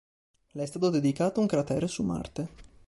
Le è stato dedicato un cratere su Marte.